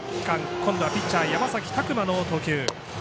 今度はピッチャー山崎琢磨の投球。